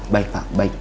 baik pak baik